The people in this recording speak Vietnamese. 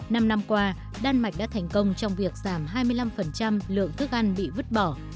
năm năm qua đan mạch đã thành công trong việc giảm hai mươi năm lượng thức ăn bị vứt bỏ